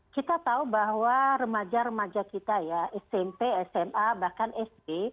kita tahu bahwa remaja remaja kita ya smp sma bahkan sd